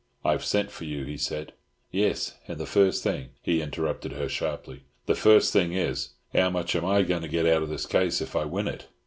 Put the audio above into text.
"I've sent for you," he said. "Yis, and the fust thing—" He interrupted her sharply. "The first thing is, how much am I going to get out of this case if I win it?